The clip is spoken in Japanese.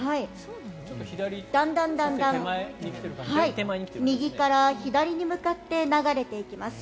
だんだん右から左に向かって流れていきます。